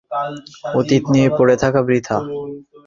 অতীত নিয়ে পড়ে থাকা বৃথা।